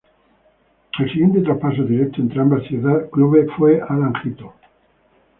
El siguiente traspaso directo entre ambos clubes fue Alan Hinton.